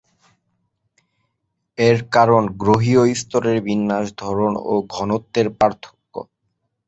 এর কারণ গ্রহীয় স্তরের বিন্যাস, ধরণ ও ঘনত্বের পার্থক্য।